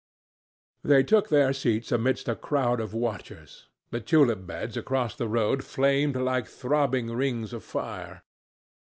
They took their seats amidst a crowd of watchers. The tulip beds across the road flamed like throbbing rings of fire.